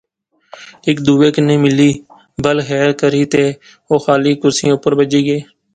ہیک دوئے کنے ملی، بل خیر کری تے او خالی کرسئِں اوپر بیجی گئے